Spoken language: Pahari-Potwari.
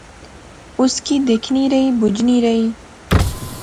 اس کی دیکھنی رہی، بجنی رہی